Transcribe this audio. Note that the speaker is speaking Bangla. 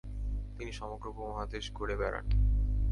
তিনি সমগ্র উপমহাদেশে ঘুরে বেড়ান।